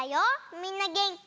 みんなげんき？